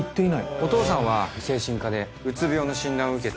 お父さんは精神科でうつ病の診断を受けて。